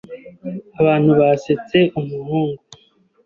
Abantu basetse umuhungu.